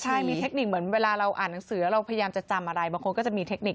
ใช่มีเทคนิคเหมือนเวลาเราอ่านหนังสือเราพยายามจะจำอะไรบางคนก็จะมีเทคนิค